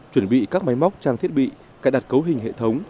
chuẩn bị các máy móc trang thiết bị cài đặt cấu hình hệ thống